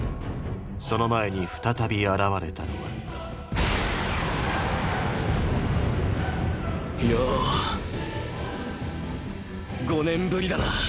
その前に再び現れたのはよう５年ぶりだな。